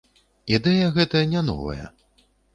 Ідэя гэта не новая.